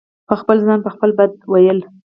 په خپل ځان په خپله بد وئيل